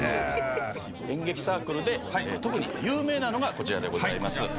演劇サークルで特に有名なのがこちらでございます。